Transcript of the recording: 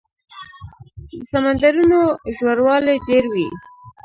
د سمندرونو ژوروالی ډېر وي.